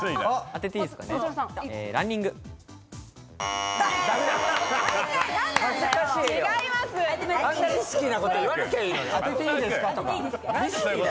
「当てていいですか」とか。